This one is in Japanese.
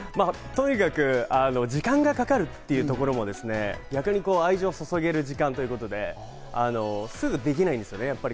とにかく時間がかかるというところもですね、逆に愛情をそそげる時間ということで、すぐできないんですよね。